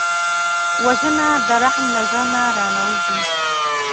وژنه د رحم له زړه نه را نهوزي